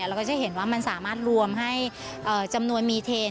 เราก็จะเห็นว่ามันสามารถรวมให้จำนวนมีเทน